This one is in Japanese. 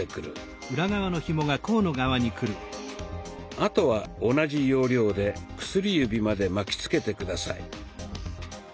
あとは同じ要領で薬指まで巻きつけて下さい。